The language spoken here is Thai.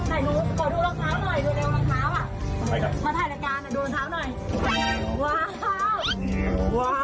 ไหนหนูขอดูรองเท้าหน่อยดูเร็วรองเท้าอ่ะ